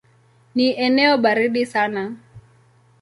Ni eneo baridi sana.